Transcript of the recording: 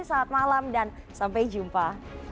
selamat malam dan sampai jumpa